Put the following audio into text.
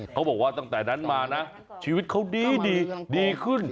เขาบอกว่าตั้งแต่นั้นมานะชีวิตเขาดีดีขึ้น